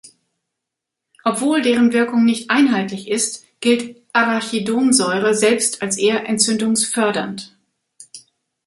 Obwohl deren Wirkung nicht einheitlich ist, gilt Arachidonsäure selbst als eher entzündungsfördernd.